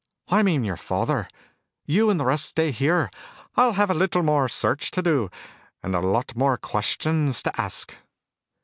"I mean your father. You and the rest stay here. I'll have a little more searching to do. And a lot more questions to ask."